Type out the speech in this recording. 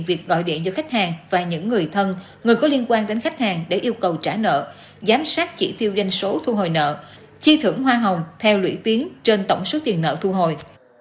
việc gọi điện cho khách hàng và những người thân người có liên quan đến khách hàng để yêu cầu trả nợ giám sát chỉ tiêu doanh số thu hồi nợ chi thưởng hoa hồng theo lũy tiến trên tổng số tiền nợ thu hồi